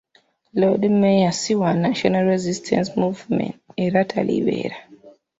Loodi mmeeya si wa National Resistance Movement era talibeera.